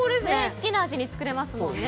好きな味に作れますのでね。